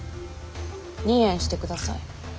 離縁してください。